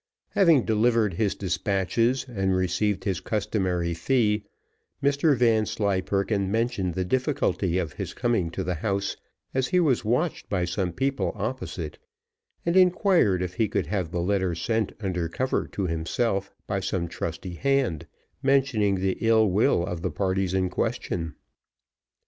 Having delivered his despatches, and received his customary fee, Mr Vanslyperken mentioned the difficulty of his coming to the house, as he was watched by some people opposite, and inquired if he could have the letters sent under cover to himself by some trusty hand, mentioning the ill will of the parties in question.